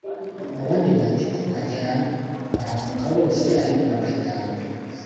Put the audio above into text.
Abandi bati: "Tukajyana" Bahaguruka bose; ari mirongo itanu